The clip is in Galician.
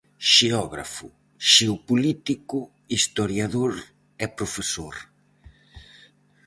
Xeógrafo, xeopolítico, historiador e profesor.